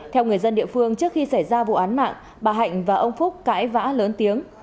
theo người dân địa phương trước khi xảy ra vụ án mạng bà hạnh và ông phúc cãi vã lớn tiếng